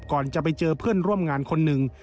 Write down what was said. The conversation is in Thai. จะไปเจอเพื่อนร่วมงานคนหนึ่ง